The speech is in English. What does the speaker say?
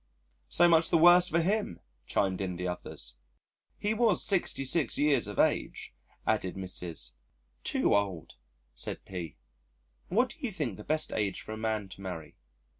"So much the worse for him," chimed in the others. "He was 66 years of age," added Mrs. . "Too old," said P. "What do you think the best age for a man to marry?"